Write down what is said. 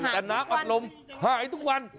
แต่น้ำอัดลมหายทุกวัน